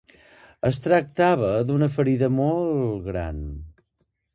Es tractava d'una ferida molt gran.